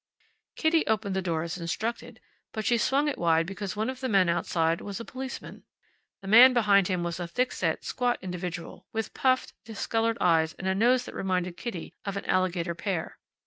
Kitty opened the door as instructed, but she swung it wide because one of the men outside was a policeman. The man behind him was a thickset, squat individual, with puffed, discoloured eyes and a nose that reminded Kitty of an alligator pear.